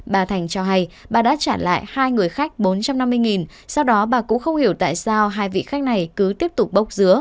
bà thành cho hay bà đã trả lại hai người khách bốn trăm năm mươi sau đó bà cũng không hiểu tại sao hai vị khách này cứ tiếp tục bốc dứa